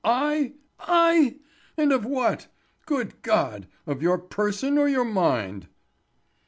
I? I? And of what? Good God! Of your person or your mind?"